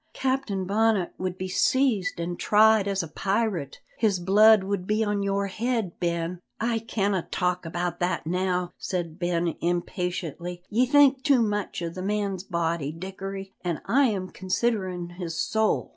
Captain Bonnet would be seized and tried as a pirate. His blood would be on your head, Ben!" "I canna talk about that now," said Ben impatiently, "ye think too much o' the man's body, Dickory, an' I am considerin' his soul."